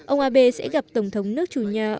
ông abe sẽ gặp tổng thống nước chủ nhà